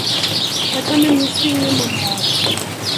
Achamin missing' ne ma mwooksey